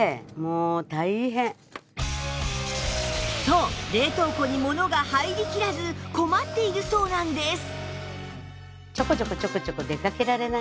そう冷凍庫に物が入りきらず困っているそうなんです